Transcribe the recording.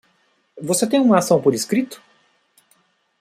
Você tem uma ação por escrito?